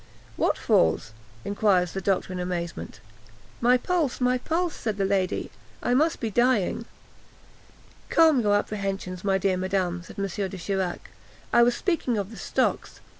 "What falls?" inquired the doctor in amazement. "My pulse! my pulse!" said the lady; "I must be dying." "Calm your apprehensions, my dear madam," said M. de Chirac; "I was speaking of the stocks.